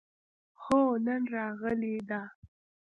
هو، نن راغلې ده